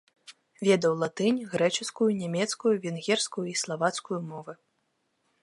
Ведаў латынь, грэчаскую, нямецкую, венгерскую і славацкую мовы.